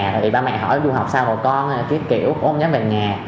thì ba mẹ hỏi em du học sao rồi con hay là kiếp kiểu cố không dám về nhà